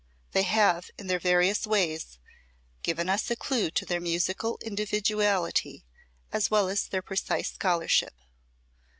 They have, in their various ways, given us a clue to their musical individuality, as well as their precise scholarship.